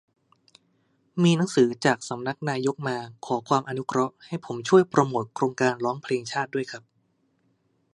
มีหนังสือจากสำนักนายกมา "ขอความอนุเคราะห์" ให้ผมช่วยโปรโมตโครงการร้องเพลงชาติด้วยครับ -"